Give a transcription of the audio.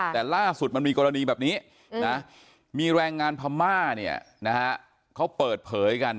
แต่ล่าสุดมันมีกรณีแบบนี้นะมีแรงงานพม่าเนี่ยนะฮะเขาเปิดเผยกัน